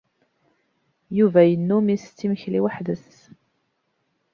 Yuba yennum isett imekli weḥd-s.